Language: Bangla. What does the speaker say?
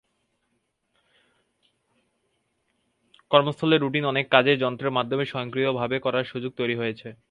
কর্মস্থলের রুটিন অনেক কাজ যন্ত্রের মাধ্যমে স্বয়ংক্রিয়ভাবে করার সুযোগ তৈরি হয়েছে।